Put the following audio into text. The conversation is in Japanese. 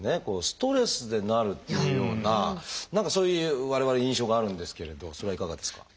ストレスでなるっていうような何かそういう我々印象があるんですけれどそれはいかがですか？